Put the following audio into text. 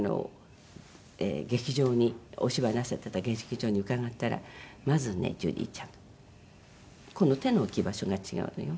劇場にお芝居なさってた劇場に伺ったら「まずねジュディちゃん手の置き場所が違うのよ」。